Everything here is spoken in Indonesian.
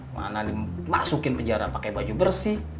mana dimasukin penjara pakai baju bersih